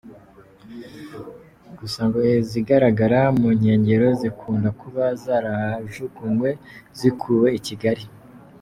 Gusa ngo izigaragara mu nkengero zikunda kuba zarahajugunywe zikuwe i Kigali.